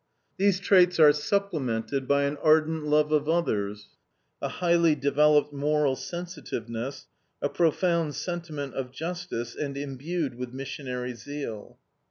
These traits are supplemented by an ardent love of others, a highly developed moral sensitiveness, a profound sentiment of justice, and imbued with missionary zeal."